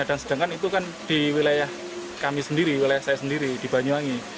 sedangkan itu kan di wilayah kami sendiri wilayah saya sendiri di banyuwangi